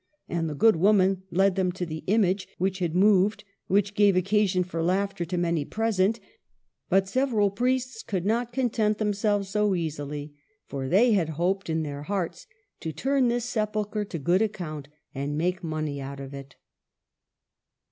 And the good woman led them to see the image which had moved, which gave occasion for laughter to many present ; but several priests could not content themselves so easily, for they had hoped in their hearts to turn this sepulchre to good account and make money out of it.